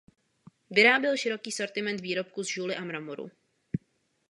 Vyráběl široký sortiment výrobků z žuly a mramoru.